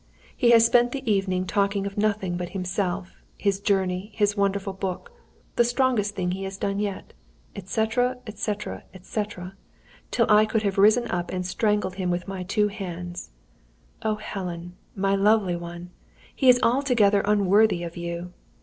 "He has spent the evening talking of nothing but himself, his journey, his wonderful book the strongest thing he has done yet, etc., etc., etc.; till I could have risen up and strangled him with my two hands. Oh, Helen my lovely one he is altogether unworthy of you!